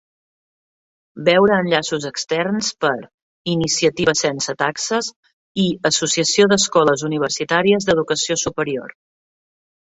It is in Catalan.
Veure enllaços externs per: "iniciativa sense taxes" i "Associació d'Escoles Universitàries d'Educació Superior".